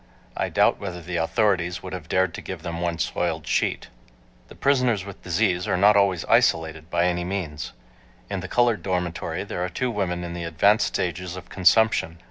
I doubt whether the authorities would have dared to give them one soiled sheet. The prisoners with disease are not always isolated, by any means. In the colored dormitory there are two women in the advanced stages of consumption.